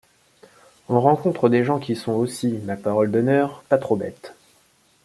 On rencontre des gens qui sont aussi, ma parole d’honneur, par trop bêtes.